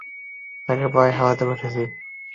তাকে প্রায় হারাতে বসেছি।